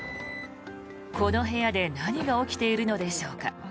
この部屋で何が起きているのでしょうか。